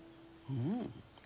うん。